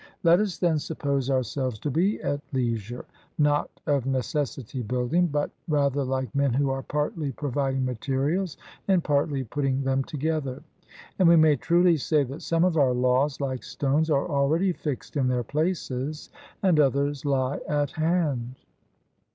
Let us then suppose ourselves to be at leisure, not of necessity building, but rather like men who are partly providing materials, and partly putting them together. And we may truly say that some of our laws, like stones, are already fixed in their places, and others lie at hand.